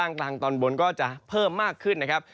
กลางตอนบนก็จะเพิ่มมากขึ้นนะครับ